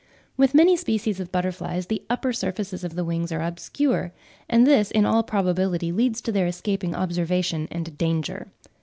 With many species of butterflies the upper surfaces of the wings are obscure; and this in all probability leads to their escaping observation and danger.